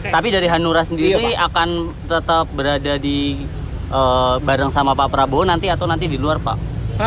tapi dari hanura sendiri akan tetap berada di bareng sama pak prabowo nanti atau nanti di luar pak